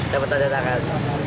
dapatkan tanda tangan